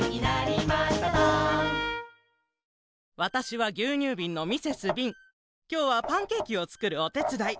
わたしはぎゅうにゅうびんのきょうはパンケーキをつくるおてつだい。